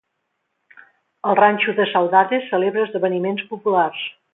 El Rancho da Saudade celebra esdeveniments populars.